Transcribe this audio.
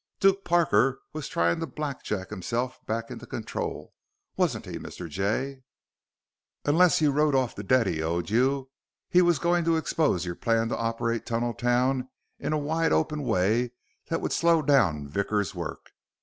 "Duke Parker was trying to blackjack himself back into control, wasn't he, Mr. Jay? Unless you wrote off the debt he owed you, he was going to expose your plan to operate Tunneltown in a wide open way that would slow down Vickers' work.